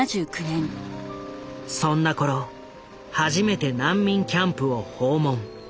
そんなころ初めて難民キャンプを訪問。